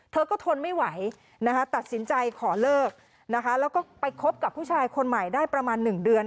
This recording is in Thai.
เธอก็ทนไม่ไหวนะคะตัดสินใจขอเลิกนะคะแล้วก็ไปคบกับผู้ชายคนใหม่ได้ประมาณ๑เดือน